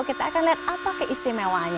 kita akan lihat apa keistimewaannya